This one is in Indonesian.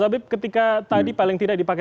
habib ketika tadi paling tidak